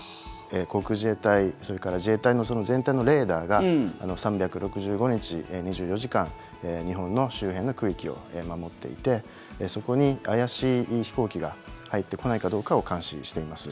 航空自衛隊、それから自衛隊の全体のレーダーが３６５日２４時間日本の周辺の空域を守っていてそこに怪しい飛行機が入ってこないかどうかを監視しています。